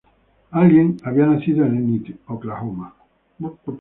Allen había nacido en Enid, Oklahoma.